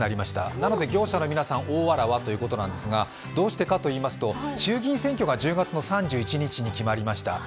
なので業者の皆さん、大わらわということなんですが、どうしてかといいますと衆議院選挙が１０月の３１日に決まりました。